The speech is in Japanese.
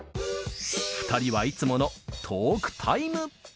２人はいつものトークタイム